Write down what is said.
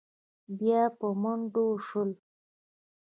بيا په منډو شول.